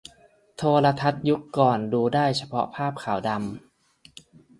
โทรทัศน์ยุคก่อนดูได้เฉพาะภาพขาวดำ